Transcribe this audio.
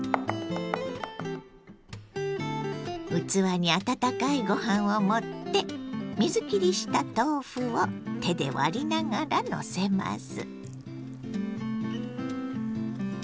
器に温かいご飯を盛って水きりした豆腐を手で割りながらのせます。